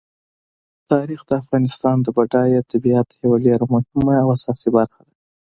تاریخ د افغانستان د بډایه طبیعت یوه ډېره مهمه او اساسي برخه ده.